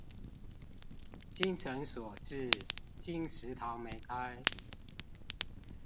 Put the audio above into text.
精誠所至、金石堂沒開